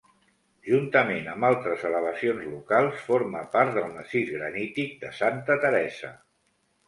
Juntament amb altres elevacions locals forma part del massís granític de Santa Teresa.